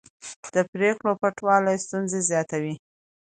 د پرېکړو پټوالی ستونزې زیاتوي